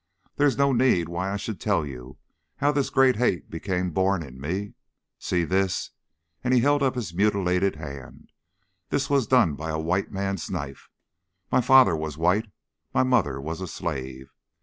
There is no need why I should tell you how this great hate became born in me. See this," and he held up his mutilated hand; "that was done by a white man's knife. My father was white, my mother was a slave.